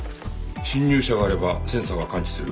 侵入者があればセンサーが感知する。